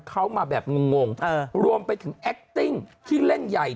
เขามาแบบงงรวมไปถึงแอคติ้งที่เล่นใหญ่